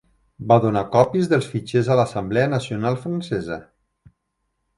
Va donar còpies dels fitxers a l'Assemblea Nacional Francesa.